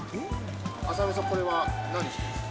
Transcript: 麻美さん、これは何してるんですか？